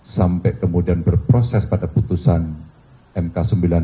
sampai kemudian berproses pada putusan mk sembilan puluh sembilan